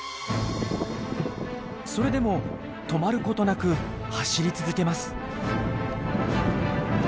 それでも止まることなく走り続けます。